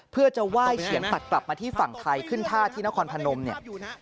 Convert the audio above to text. เพื่อจะไหว้เฉียงตัดกลับมาที่ฝั่งไทยขึ้นท่าที่นครพนมเนี่ย